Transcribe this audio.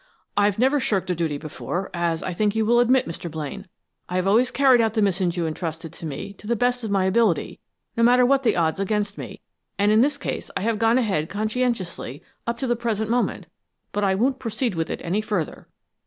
I've never shirked a duty before, as I think you will admit, Mr. Blaine. I have always carried out the missions you entrusted to me to the best of my ability, no matter what the odds against me, and in this case I have gone ahead conscientiously up to the present moment, but I won't proceed with it any further."